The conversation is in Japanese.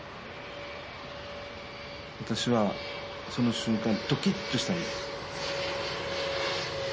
私はその瞬間ドキッとしたんです。